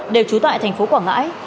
đều trú tại tp quảng ngãi